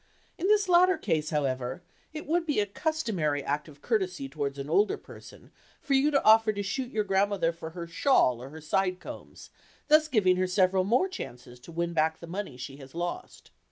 In this latter case, however, it would be a customary act of courtesy towards an older person for you to offer to shoot your grandmother for her shawl or her side combs, thus giving her several more chances to win back the money she has lost.